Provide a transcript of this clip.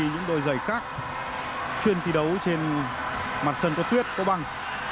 những đôi giày khác chuyên thi đấu trên mặt sân các tuyết có băng